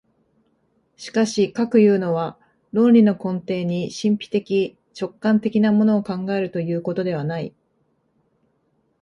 しかしかくいうのは、論理の根底に神秘的直観的なものを考えるということではない。